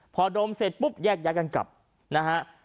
พอดมเสร็จปุ๊บแยกย้ายกันกลับนะฮะ